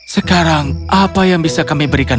sekarang apa yang bisa kami berikan